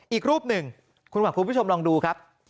อีกรูปหนึ่งคุณหวังคุณผู้ชมลองดูครับ